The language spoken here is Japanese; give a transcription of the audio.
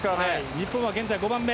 日本は現在５番目。